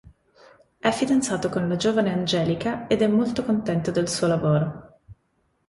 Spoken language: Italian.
È fidanzato con la giovane Angelica ed è molto contento del suo lavoro.